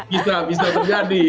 bisa bisa terjadi